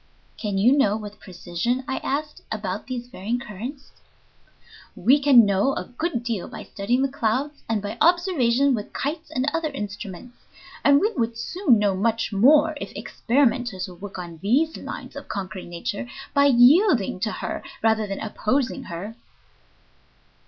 "Can you know with precision," I asked, "about these varying currents?" "We can know a good deal by studying the clouds and by observations with kites and other instruments. And we would soon know much more if experimenters would work on these lines of conquering nature by yielding to her rather than opposing her."